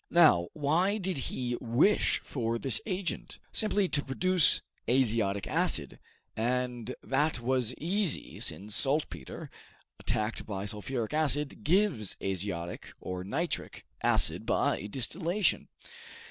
Now, why did he wish for this agent? Simply to produce azotic acid; and that was easy, since saltpeter, attacked by sulphuric acid, gives azotic, or nitric, acid by distillation.